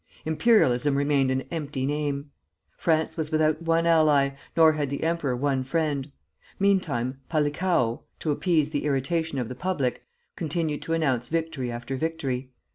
Imperialism remained an empty name. France was without one ally, nor had the emperor one friend. Meantime Palikao, to appease the irritation of the public, continued to announce victory after victory.